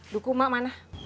duku mak mana